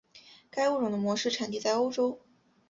该物种的模式产地在欧洲。